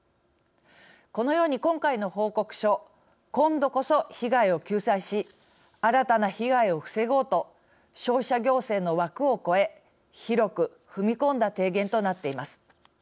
このように今回の報告書今度こそ被害を救済し新たな被害を防ごうと消費者行政の枠を超え広く踏み込んだ提言となっています。